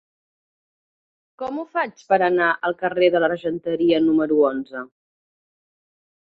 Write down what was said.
Com ho faig per anar al carrer de l'Argenteria número onze?